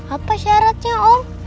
apa syaratnya om